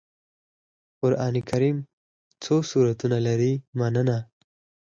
قرآن کريم څو سورتونه لري مننه